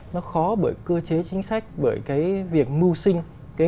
nó khó bởi cơ chế chính sách bởi cái việc mưu sinh